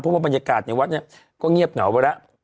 เพราะว่าบรรยากาศในวัดเนี่ยก็เงียบเหงาไปแล้ว